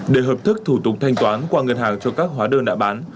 để hợp thức thủ tục thanh toán qua ngân hàng cho các hóa đơn đã bán